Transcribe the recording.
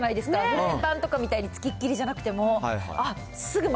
フライパンとかみたいに付きっきりじゃなくても。